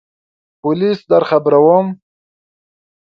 پولیس درخبروم !